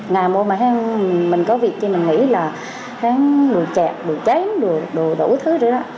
ngày mùa mà mình có việc thì mình nghĩ là đủ chạy đủ cháy đủ đủ thứ rồi đó